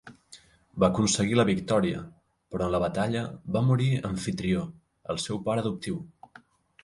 Va aconseguir la victòria, però en la batalla va morir Amfitrió, el seu pare adoptiu.